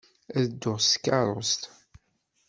Ad dduɣ s tkeṛṛust.